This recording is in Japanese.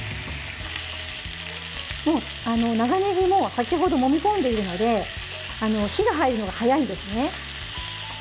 長ねぎも、先ほどもみこんでいるので火が入るのが早いんですね。